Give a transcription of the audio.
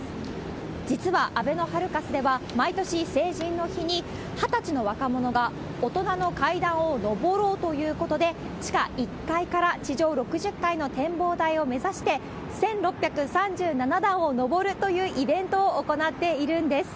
実はあべのハルカスでは、毎年成人の日に、２０歳の若者が大人の階段を上ろうということで、地下１階から地上６０階の展望台を目指して、１６３７段を上るというイベントを行っているんです。